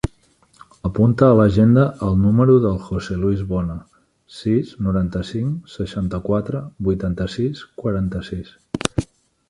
Apunta a l'agenda el número del José luis Bona: sis, noranta-cinc, seixanta-quatre, vuitanta-sis, quaranta-sis.